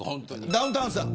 ダウンタウンさん